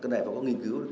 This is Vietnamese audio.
cái này phải có nghiên cứu